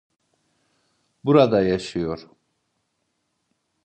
Burada yaşıyor.